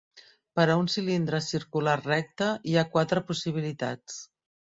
Per a un cilindre circular recte, hi ha quatre possibilitats.